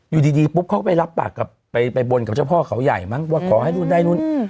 อยู่ดีปุ๊บเขาก็ไปรับปากกับไปบนกับเจ้าพ่อเขาใหญ่มั้งว่าขอให้นู่นได้นู่น